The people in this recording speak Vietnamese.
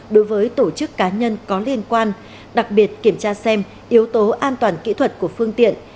đối với tổ chức cá nhân có liên quan đặc biệt kiểm tra xem yếu tố an toàn kỹ thuật của phương tiện